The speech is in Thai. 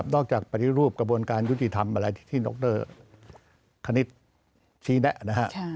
นอกจากปฏิรูปกระบวนการยุทธิธรรมอะไรที่นกเตอร์คณิตชี้แด๊ะนะฮะ